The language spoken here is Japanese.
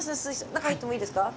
中入ってもいいですか？